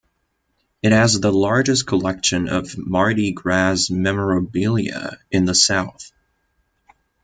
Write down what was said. It has the largest collection of Mardi Gras memorabilia in the South.